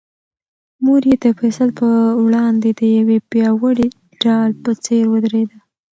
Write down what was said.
مور یې د فیصل په وړاندې د یوې پیاوړې ډال په څېر ودرېده.